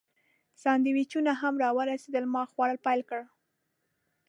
سانډویچونه هم راورسېدل، ما خوړل پیل کړل.